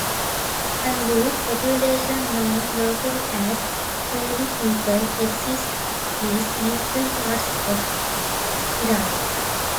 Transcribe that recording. A Lur population, known locally as Feyli people, exists in eastern parts of Iraq.